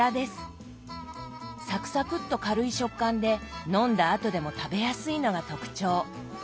サクサクッと軽い食感で飲んだあとでも食べやすいのが特徴。